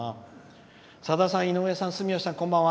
「さださん、井上さん、住吉さんこんばんは。